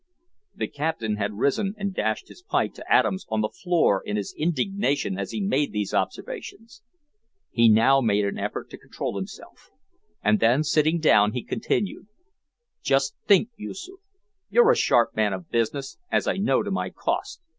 The captain had risen and dashed his pipe to atoms on the floor in his indignation as he made these observations. He now made an effort to control himself, and then, sitting down, he continued "Just think, Yoosoof; you're a sharp man of business, as I know to my cost.